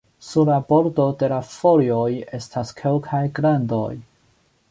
Sur la bordo de la folioj estas kelkaj glandoj.